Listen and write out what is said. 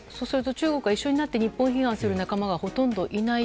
中国は一緒になって日本批判をする仲間がほとんどいない。